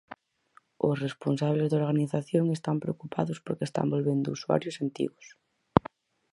Os responsables da organización están preocupados porque están volvendo usuarios antigos.